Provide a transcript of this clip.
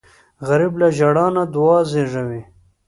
غریب له ژړا نه دعا زېږوي